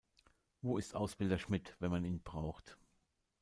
Wo ist Ausbilder Schmitt, wenn man ihn braucht?